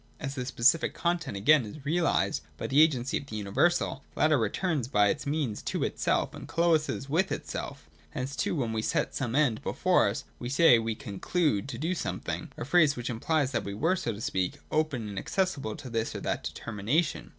As this specific content again is realised by the agency of the universal, the latter returns by its means back to itself, and coalesces with itself Hence too when we set some end before us, we say that we ' conclude ' to do some thing : a phrase which imphes that we were, so to speak, open and accessible to this or that determination.